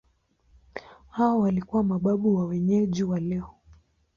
Hawa walikuwa mababu wa wenyeji wa leo.